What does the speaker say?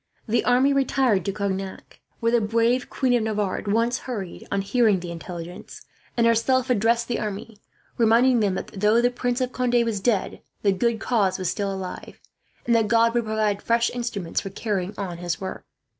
The army retired to Cognac, where the brave Queen of Navarre at once hurried, on hearing the intelligence, and herself addressed the army; reminding them that though the Prince of Conde was dead, the good cause was still alive, and that God would provide fresh instruments for carrying on His work.